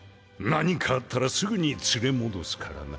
何かあったらすぐに連れ戻すからな。